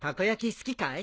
好きかい？